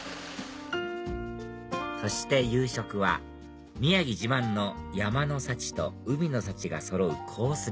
そして夕食は宮城自慢の山の幸と海の幸がそろうコース